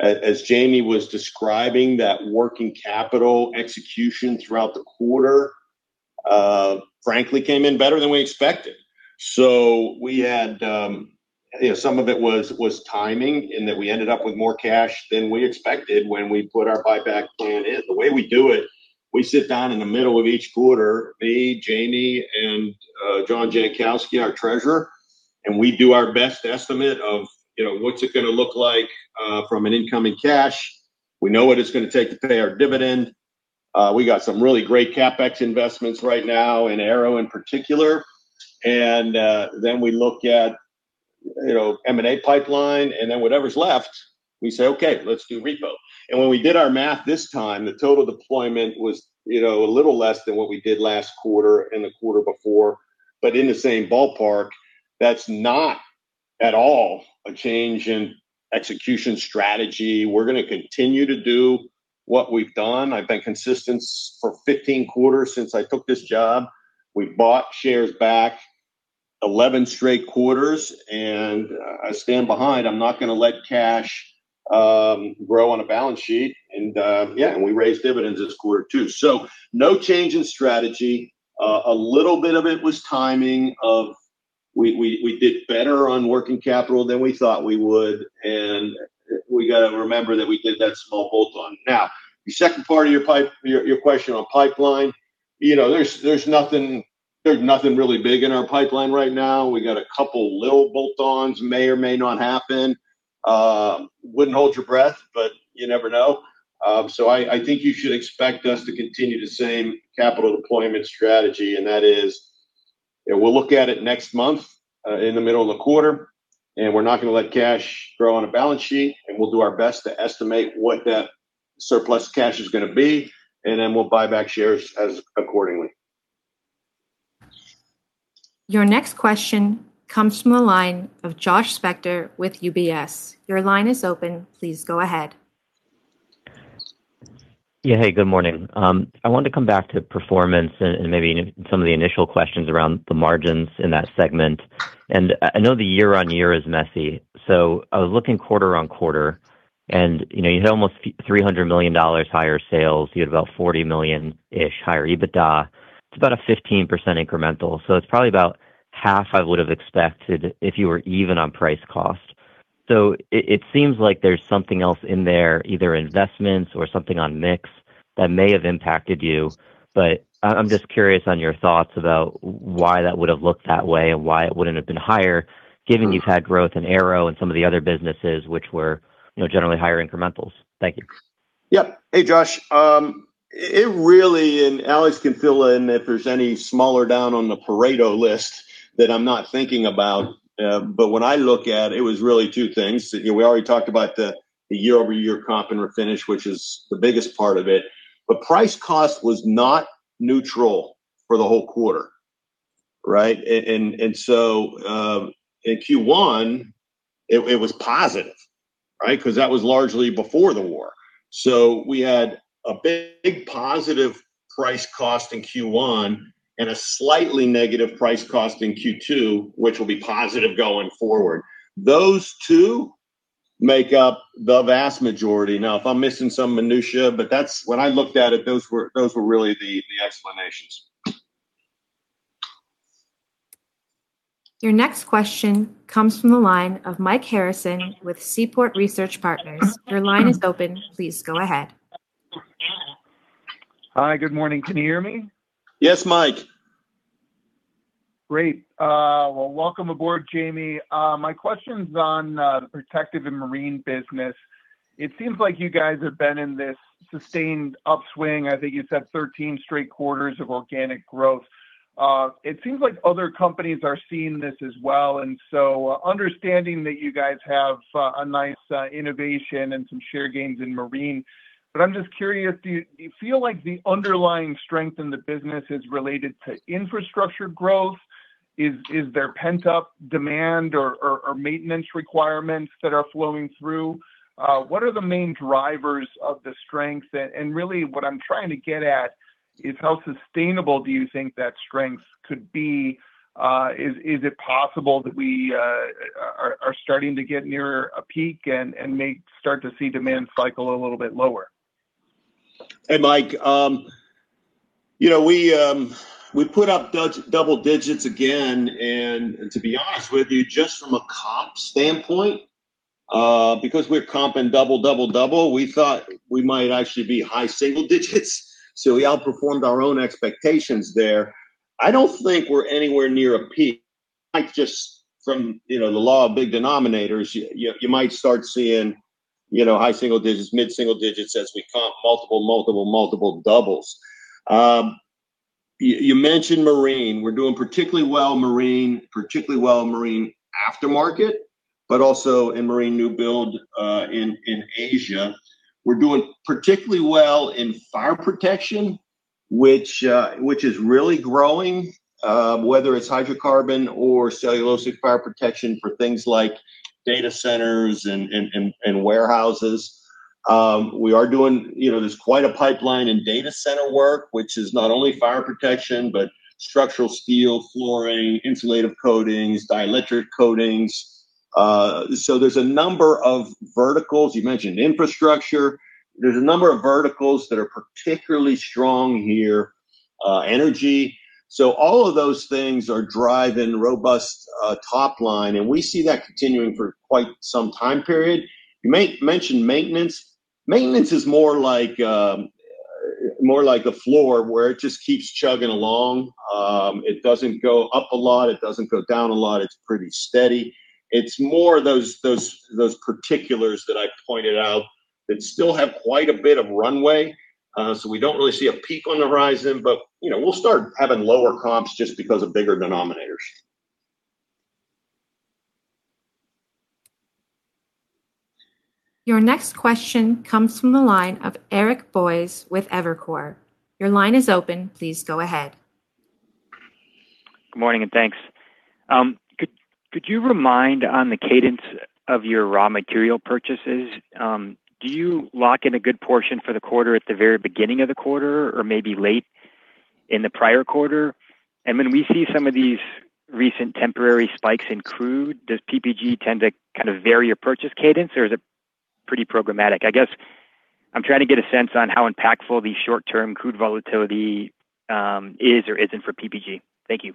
Speaker 3: As Jamie was describing that working capital execution throughout the quarter, frankly came in better than we expected. Some of it was timing in that we ended up with more cash than we expected when we put our buyback plan in. The way we do it, we sit down in the middle of each quarter, me, Jamie, and John Jankowski, our treasurer, we do our best estimate of what's it going to look like from an incoming cash. We know what it's going to take to pay our dividend. We got some really great CapEx investments right now in Aero in particular. Then we look at M&A pipeline, then whatever's left, we say, "Okay, let's do repo." When we did our math this time, the total deployment was a little less than what we did last quarter and the quarter before, but in the same ballpark. That's not at all a change in execution strategy. We're going to continue to do what we've done. I've been consistent for 15 quarters since I took this job. We've bought shares back 11 straight quarters, I stand behind, I'm not going to let cash grow on a balance sheet. We raised dividends this quarter, too. No change in strategy. A little bit of it was timing of we did better on working capital than we thought we would. We got to remember that we did that small bolt-on. The second part of your question on pipeline. There's nothing really big in our pipeline right now. We got a couple little bolt-ons, may or may not happen. Wouldn't hold your breath, but you never know. I think you should expect us to continue the same capital deployment strategy, that is, we'll look at it next month, in the middle of the quarter. We're not going to let cash grow on a balance sheet. We'll do our best to estimate what that surplus cash is going to be. Then we'll buy back shares accordingly.
Speaker 1: Your next question comes from the line of Josh Spector with UBS. Your line is open. Please go ahead.
Speaker 16: Good morning. I wanted to come back to performance and maybe some of the initial questions around the margins in that segment. I know the year-over-year is messy. I was looking quarter-over-quarter and you had almost $300 million higher sales. You had about $40 million-ish higher EBITDA. It's about a 15% incremental. It's probably about half I would have expected if you were even on price cost. It seems like there's something else in there, either investments or something on mix that may have impacted you. I'm just curious on your thoughts about why that would have looked that way and why it wouldn't have been higher given you've had growth in Aero and some of the other businesses which were generally higher incrementals. Thank you.
Speaker 3: Josh. It really, Alex can fill in if there's any smaller down on the Pareto list that I'm not thinking about. When I look at it was really two things. We already talked about the year-over-year comp in Refinish, which is the biggest part of it. Price cost was not neutral for the whole quarter. Right? In Q1 it was positive, right? Because that was largely before the war. We had a big positive price cost in Q1 and a slightly negative price cost in Q2, which will be positive going forward. Those two make up the vast majority. If I'm missing some minutiae, when I looked at it, those were really the explanations.
Speaker 1: Your next question comes from the line of Mike Harrison with Seaport Research Partners. Your line is open. Please go ahead.
Speaker 17: Hi. Good morning. Can you hear me?
Speaker 3: Yes, Mike.
Speaker 17: Great. Well, welcome aboard, Jamie. My question's on the protective and marine business. It seems like you guys have been in this sustained upswing. I think you said 13 straight quarters of organic growth. It seems like other companies are seeing this as well. Understanding that you guys have a nice innovation and some share gains in marine, but I'm just curious, do you feel like the underlying strength in the business is related to infrastructure growth? Is there pent-up demand or maintenance requirements that are flowing through? What are the main drivers of the strength? And really what I'm trying to get at is how sustainable do you think that strength could be? Is it possible that we are starting to get nearer a peak and may start to see demand cycle a little bit lower?
Speaker 3: Hey, Mike. We put up double digits again. To be honest with you, just from a comp standpoint, because we're comping double, double, we thought we might actually be high single digits. We outperformed our own expectations there. I don't think we're anywhere near a peak. Mike, just from the law of big denominators, you might start seeing high single digits, mid single digits as we comp multiple, multiple doubles. You mentioned marine. We're doing particularly well in marine aftermarket, also in marine new build in Asia. We're doing particularly well in fire protection, which is really growing, whether it's hydrocarbon or cellulosic fire protection for things like data centers and warehouses. There's quite a pipeline in data center work, which is not only fire protection, but structural steel flooring, insulative coatings, dielectric coatings. There's a number of verticals. You mentioned infrastructure. There's a number of verticals that are particularly strong here. Energy. All of those things are driving robust top line, we see that continuing for quite some time period. You mentioned maintenance. Maintenance is more like the floor where it just keeps chugging along. It doesn't go up a lot. It doesn't go down a lot. It's pretty steady. It's more those particulars that I pointed out that still have quite a bit of runway. We don't really see a peak on the horizon, we'll start having lower comps just because of bigger denominators.
Speaker 1: Your next question comes from the line of Eric Boyes with Evercore. Your line is open. Please go ahead.
Speaker 18: Good morning, thanks. Could you remind, on the cadence of your raw material purchases, do you lock in a good portion for the quarter at the very beginning of the quarter or maybe late in the prior quarter? When we see some of these recent temporary spikes in crude, does PPG tend to kind of vary your purchase cadence, or is it pretty programmatic? I guess I'm trying to get a sense on how impactful the short-term crude volatility is or isn't for PPG. Thank you.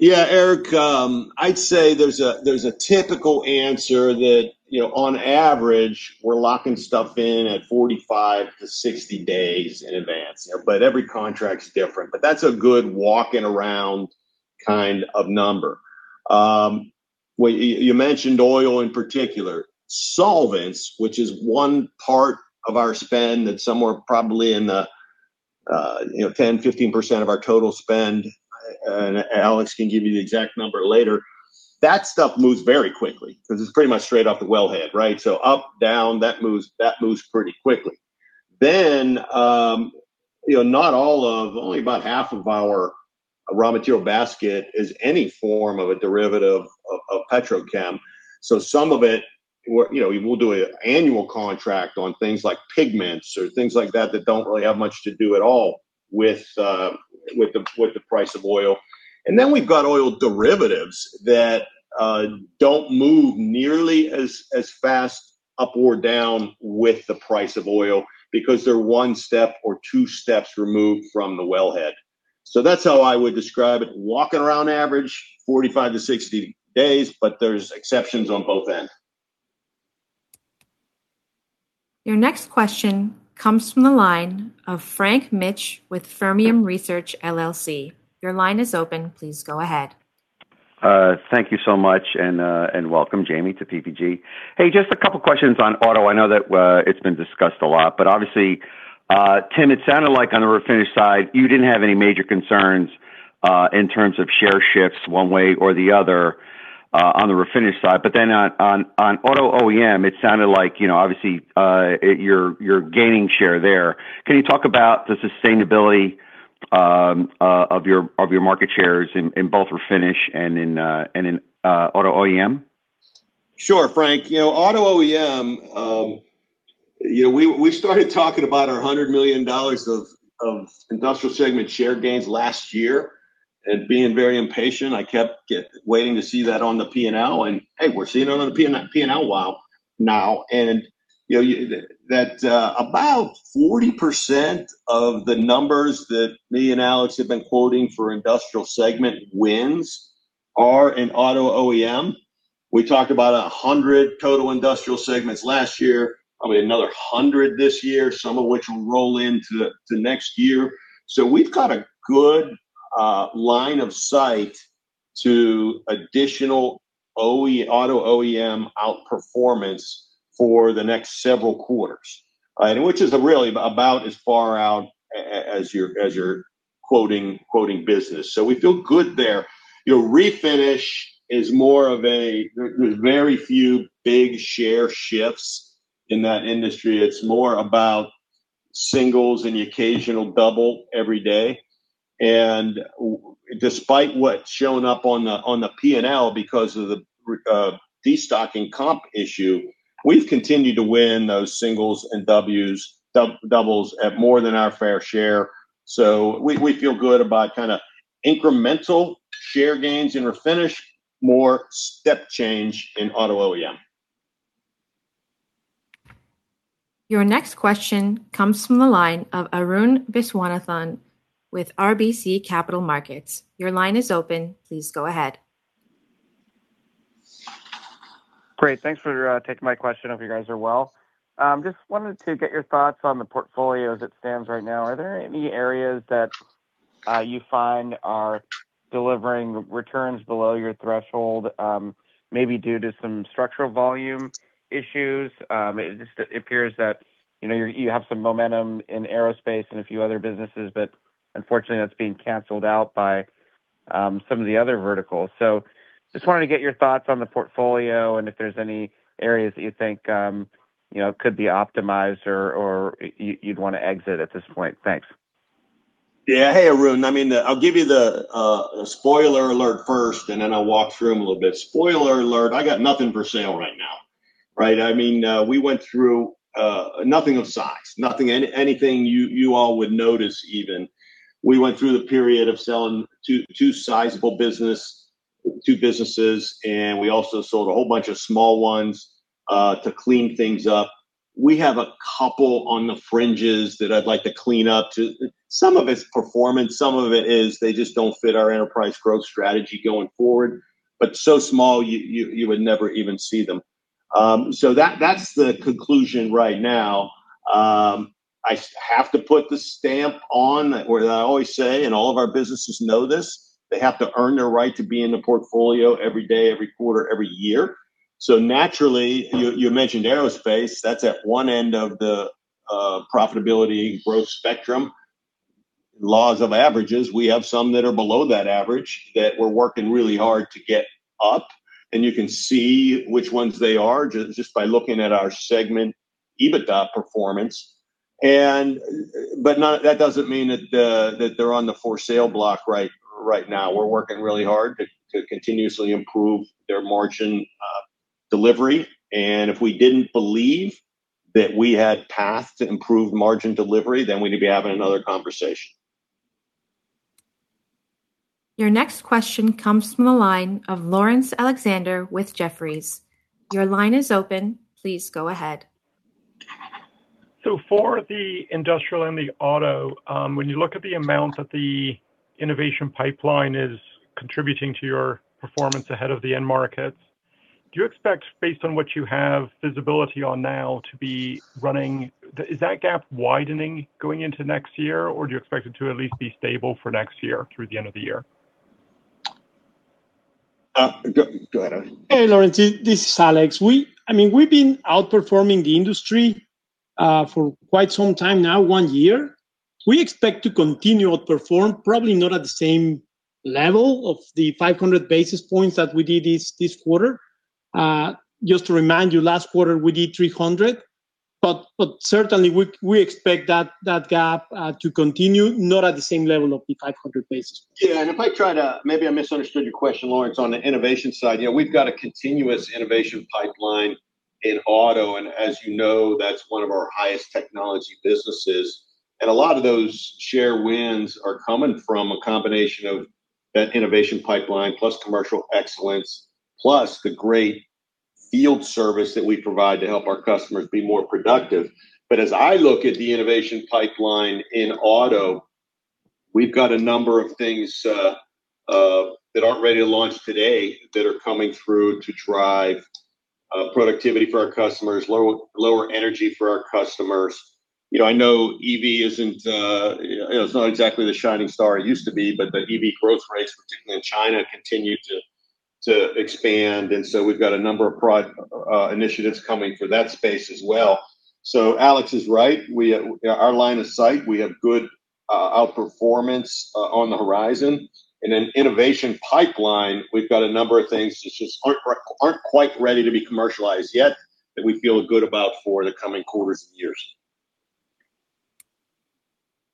Speaker 3: Eric. I'd say there's a typical answer that on average, we're locking stuff in at 45-60 days in advance. Every contract's different. That's a good walking around kind of number. You mentioned oil in particular. Solvents, which is one part of our spend that's somewhere probably in the 10%, 15% of our total spend, and Alex can give you the exact number later. That stuff moves very quickly because it's pretty much straight off the wellhead, right? Up, down, that moves pretty quickly. Only about half of our raw material basket is any form of a derivative of petrochem. Some of it, we'll do an annual contract on things like pigments or things like that that don't really have much to do at all with the price of oil. We've got oil derivatives that don't move nearly as fast up or down with the price of oil because they're one step or two steps removed from the wellhead. That's how I would describe it. Walking around average, 45-60 days, but there's exceptions on both ends.
Speaker 1: Your next question comes from the line of Frank Mitsch with Fermium Research, LLC. Your line is open. Please go ahead.
Speaker 19: Thank you so much, and welcome Jamie to PPG. Just a couple questions on auto. I know that it's been discussed a lot, but obviously, Tim, it sounded like on the Refinish side, you didn't have any major concerns in terms of share shifts one way or the other on the Refinish side. On Auto OEM, it sounded like obviously, you're gaining share there. Can you talk about the sustainability of your market shares in both Refinish and in Auto OEM?
Speaker 3: Sure, Frank. Auto OEM, we started talking about our $100 million of Industrial segment share gains last year. Being very impatient, I kept waiting to see that on the P&L. Hey, we're seeing it on the P&L now. That about 40% of the numbers that me and Alex have been quoting for Industrial segment wins are in Auto OEM. We talked about 100 total Industrial segments last year, probably another 100 this year, some of which will roll into the next year. We've got a good line of sight to additional Auto OEM outperformance for the next several quarters, and which is really about as far out as you're quoting business. We feel good there. Refinish is more of a, there's very few big share shifts in that industry. It's more about singles and the occasional double every day. Despite what's shown up on the P&L because of the de-stocking comp issue, we've continued to win those singles and doubles at more than our fair share. We feel good about kind of incremental share gains in Refinish, more step change in Auto OEM.
Speaker 1: Your next question comes from the line of Arun Viswanathan with RBC Capital Markets. Your line is open. Please go ahead.
Speaker 20: Great. Thanks for taking my question. Hope you guys are well. Wanted to get your thoughts on the portfolio as it stands right now. Are there any areas that you find are delivering returns below your threshold? Maybe due to some structural volume issues. Appears that you have some momentum in aerospace and a few other businesses, but unfortunately that's being canceled out by some of the other verticals. Wanted to get your thoughts on the portfolio and if there's any areas that you think could be optimized or you'd want to exit at this point. Thanks.
Speaker 3: Hey, Arun. I'll give you the spoiler alert first. I'll walk through them a little bit. Spoiler alert, I got nothing for sale right now. Nothing of size, anything you all would notice even. We went through the period of selling two businesses, and we also sold a whole bunch of small ones, to clean things up. We have a couple on the fringes that I'd like to clean up to. Some of it's performance, some of it is they just don't fit our enterprise growth strategy going forward. So small you would never even see them. That's the conclusion right now. I have to put the stamp on, that I always say, and all of our businesses know this, they have to earn their right to be in the portfolio every day, every quarter, every year. You mentioned Aerospace, that's at one end of the profitability growth spectrum. Laws of averages, we have some that are below that average that we're working really hard to get up, and you can see which ones they are just by looking at our segment EBITDA performance. That doesn't mean that they're on the for sale block right now. We're working really hard to continuously improve their margin, delivery. If we didn't believe that we had path to improve margin delivery, we'd be having another conversation.
Speaker 1: Your next question comes from the line of Laurence Alexander with Jefferies. Your line is open. Please go ahead.
Speaker 21: For the Industrial and the Auto, when you look at the amount that the innovation pipeline is contributing to your performance ahead of the end markets, do you expect, based on what you have visibility on now, is that gap widening going into next year, or do you expect it to at least be stable for next year through the end of the year?
Speaker 3: Go ahead, Alex.
Speaker 2: Hey, Laurence, this is Alex. We've been outperforming the industry, for quite some time now, one year. We expect to continue to outperform, probably not at the same level of the 500 basis points that we did this quarter. Just to remind you, last quarter we did 300 basis points. Certainly we expect that gap to continue, not at the same level of the 500 basis points.
Speaker 3: Yeah. If I try to, maybe I misunderstood your question, Laurence, on the innovation side. We've got a continuous innovation pipeline in auto, and as you know, that's one of our highest technology businesses. A lot of those share wins are coming from a combination of that innovation pipeline plus commercial excellence, plus the great field service that we provide to help our customers be more productive. As I look at the innovation pipeline in auto, we've got a number of things that aren't ready to launch today that are coming through to drive productivity for our customers, lower energy for our customers. I know EV is not exactly the shining star it used to be, but the EV growth rates, particularly in China, continue to expand, and so we've got a number of product initiatives coming for that space as well. Alex is right. Our line of sight, we have good outperformance on the horizon. In an innovation pipeline, we've got a number of things that just aren't quite ready to be commercialized yet, that we feel good about for the coming quarters and years.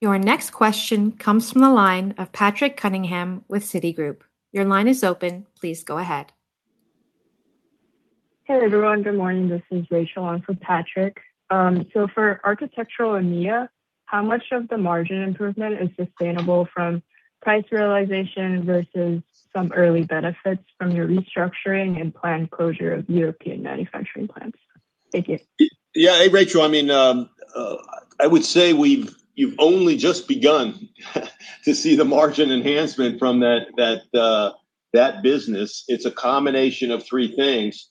Speaker 1: Your next question comes from the line of Patrick Cunningham with Citigroup. Your line is open. Please go ahead.
Speaker 22: Hey, everyone. Good morning. This is Rachel. I'm for Patrick. For Architectural EMEA, how much of the margin improvement is sustainable from price realization versus some early benefits from your restructuring and planned closure of European manufacturing plants? Thank you.
Speaker 3: Yeah. Hey, Rachel. I would say you've only just begun to see the margin enhancement from that business. It's a combination of three things.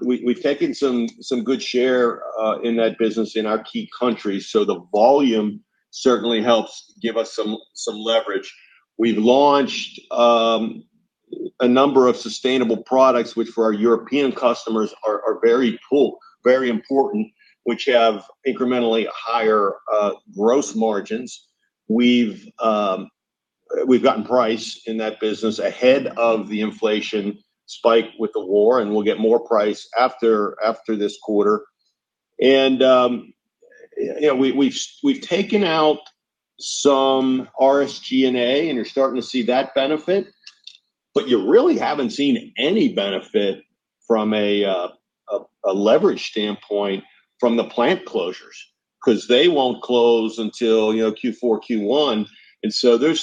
Speaker 3: We've taken some good share in that business in our key countries, so the volume certainly helps give us some leverage. We've launched a number of sustainable products, which for our European customers are very important, which have incrementally higher gross margins. We've gotten price in that business ahead of the inflation spike with the war, and we'll get more price after this quarter. We've taken out some RSG&A, and are starting to see that benefit. You really haven't seen any benefit from a leverage standpoint from the plant closures, because they won't close until Q4, Q1, and so there's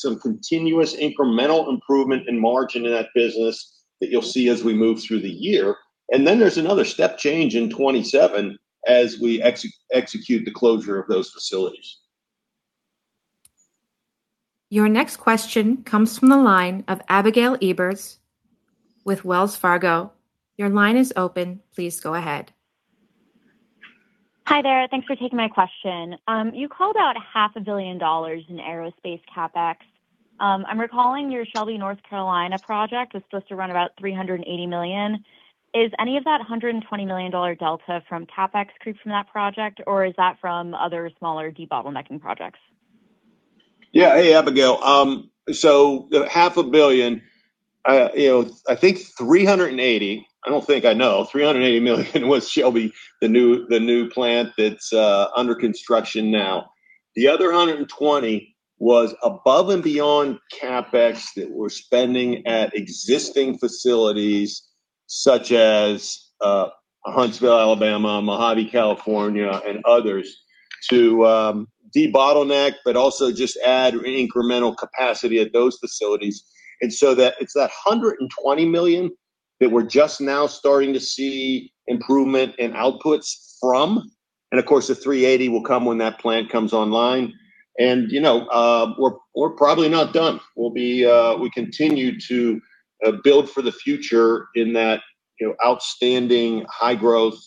Speaker 3: some continuous incremental improvement in margin in that business that you'll see as we move through the year. Then there's another step change in 2027 as we execute the closure of those facilities.
Speaker 1: Your next question comes from the line of Abigail Eberts with Wells Fargo. Your line is open. Please go ahead.
Speaker 23: Hi there. Thanks for taking my question. You called out $500 million in aerospace CapEx. I'm recalling your Shelby, North Carolina project was supposed to run about $380 million. Is any of that $120 million delta from CapEx creep from that project, or is that from other smaller debottlenecking projects?
Speaker 3: Yeah. Hey, Abigail. The $500 million, I think $380, I don't think I know, $380 million was Shelby, the new plant that's under construction now. The other $120 was above and beyond CapEx that we're spending at existing facilities such as Huntsville, Alabama, Mojave, California, and others to debottleneck, but also just add incremental capacity at those facilities. That it's that $120 million that we're just now starting to see improvement in outputs from, and of course, the $380 will come when that plant comes online. We're probably not done. We continue to build for the future in that outstanding high growth,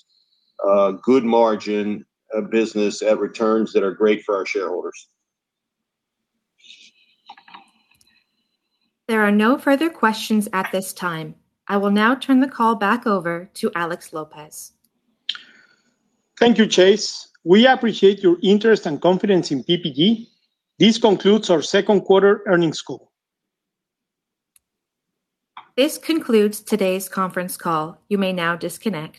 Speaker 3: good margin business at returns that are great for our shareholders.
Speaker 1: There are no further questions at this time. I will now turn the call back over to Alex Lopez.
Speaker 2: Thank you, Chase. We appreciate your interest and confidence in PPG. This concludes our second quarter earnings call.
Speaker 1: This concludes today's conference call. You may now disconnect.